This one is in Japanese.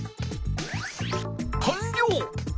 かんりょう！